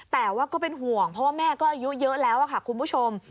แต่ว่าก็เป็นห่วงเพราะว่าแม่ก็อายุเยอะแล้วค่ะคุณผู้ชม